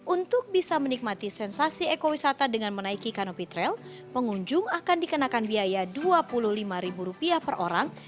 untuk bisa menikmati sensasi ekowisata dengan menaiki kanopi trail pengunjung akan dikenakan biaya rp dua puluh lima per orang